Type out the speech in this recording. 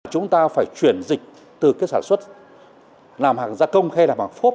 chúng ta phải chuyển dịch từ cái sản xuất làm hàng gia công hay làm hàng phốp